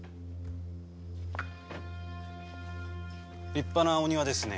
立派なお庭ですね。